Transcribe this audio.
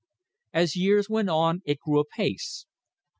As years went on it grew apace.